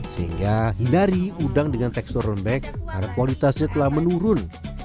sehingga hindari udang dengan tekstur lembek karena kualitasnya telah menurun